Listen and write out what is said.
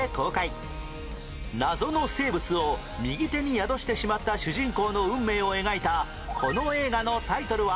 謎の生物を右手に宿してしまった主人公の運命を描いたこの映画のタイトルは？